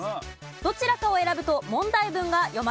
どちらかを選ぶと問題文が読まれます。